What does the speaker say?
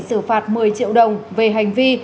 xử phạt một mươi triệu đồng về hành vi